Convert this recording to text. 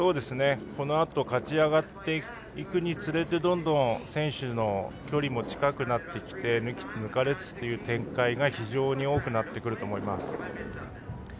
このあと勝ち上がっていくにつれどんどん選手の距離も近くなってきて抜きつ抜かれつの展開が非常に多くなってくると思います。